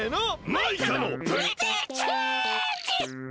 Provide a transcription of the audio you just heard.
マイカのプリティーチェンジ！